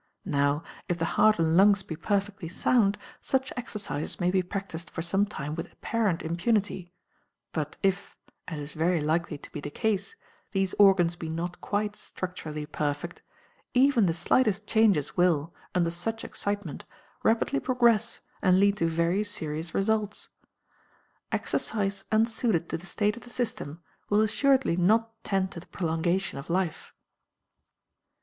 Now, if the heart and lungs be perfectly sound, such exercises may be practiced for some time with apparent impunity; but if (as is very likely to be the case) these organs be not quite structurally perfect, even the slightest changes will, under such excitement, rapidly progress and lead to very serious results. Exercise unsuited to the state of the system will assuredly not tend to the prolongation of life.